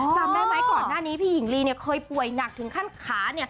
จำได้ไหมก่อนหน้านี้พี่หญิงลีเคยป่วยหนักถึงขั้นขา